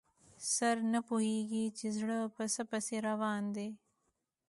سر نه پوهېږي چې زړه په څه پسې روان دی.